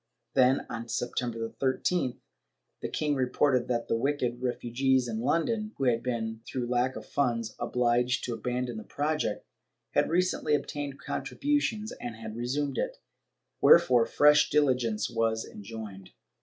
Then, on Septem ber 13th, the king reported that the wicked refugees in London, who had been, through lack of funds, obliged to abandon the project, had recently obtained contributions and had resumed it, wherefore fresh diligence was enjoined.